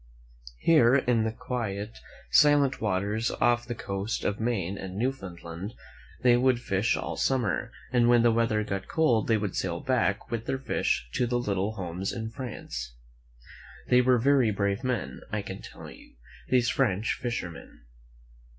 Here, in the quiet, silent waters, off the coasts of Maine and Newfound land, they would fish all summer, and when the weather got cold, they would sail back with their fish to their little homes in France. They were very brave men, I can tell you, these French fishermen.